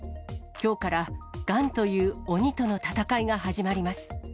きょうからがんという鬼との闘いが始まります。